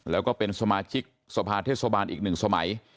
แล้วก็เป็นสมาชิกสภาเทศบาลอีกหนึ่งสมัย